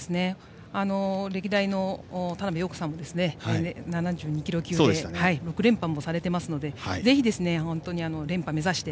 歴代の田辺陽子さんも７２キロ級で６連覇もされていますのでぜひ、連覇目指して。